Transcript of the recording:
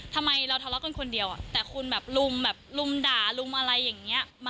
ถ้ามีคนถ่ายคลิปเนี่ย